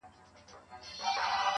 له ځانه ووتلم «نه» ته چي نه ـ نه وويل